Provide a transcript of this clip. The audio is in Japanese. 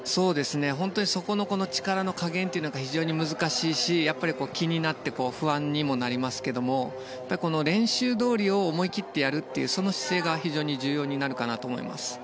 本当にそこの力の加減というのが非常に難しいし気になって不安にもなりますけども練習どおりを思い切ってやるという姿勢が非常に重要になるかなと思います。